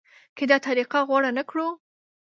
که دا طریقه غوره نه کړو.